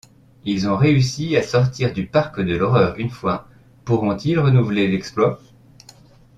Ils ont réussi à sortir du parc de l'horreur une fois, pourront-ils renouveler l'exploit?